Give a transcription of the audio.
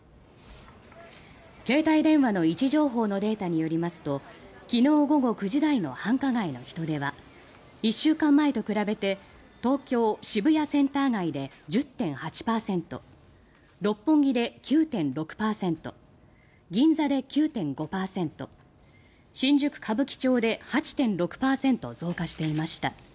携帯電話の位置情報のデータによりますと昨日午後９時台の繁華街の人出は１週間前と比べて東京・渋谷センター街で１０．８％六本木で９．６％銀座で９．５％新宿・歌舞伎町で８．６％増加していました。